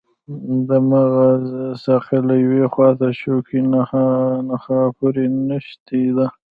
د مغز ساقه له یوې خواته شوکي نخاع پورې نښتې ده.